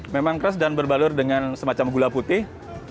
memang keras dan berbalur dengan semacam gula putih